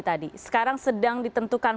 tadi sekarang sedang ditentukan